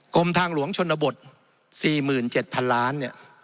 กลมทางหลวงชคศูนย์บท๔๗๐๐๐ล้าน